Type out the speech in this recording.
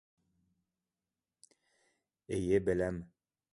Эйе беләм